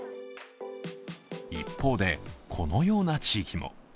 一方で、このような地域も。